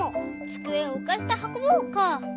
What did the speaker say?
つくえをうかせてはこぼう」か。